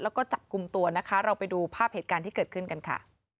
แล้วก็จับกลุ่มตัวนะคะเราไปดูภาพเหตุการณ์ที่เกิดขึ้นกันค่ะ